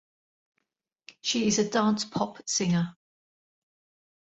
She is a dance-pop singer.